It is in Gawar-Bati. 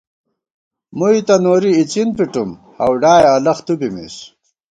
مُوئی تہ نوری اِڅِن پِٹُوم، ہؤڈائے الَخ تُو بِمېس